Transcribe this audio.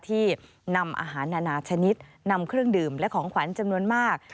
ที่นำอาหารนานาชนิดนำเครื่องดื่มและของขวัญจำนวนมาก